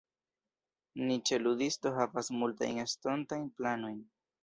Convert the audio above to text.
Ni ĉe Ludisto havas multajn estontajn planojn.